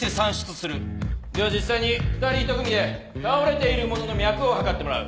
では実際に２人１組で倒れている者の脈を測ってもらう。